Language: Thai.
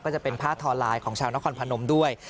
ก็จะเป็นผ้าทอไลน์ของชาวนครพนมด้วย